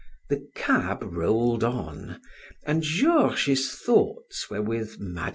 The cab rolled on, and Georges' thoughts were with Mme.